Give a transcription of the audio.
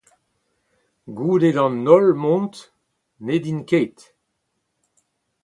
goude d'an holl mont ned int ket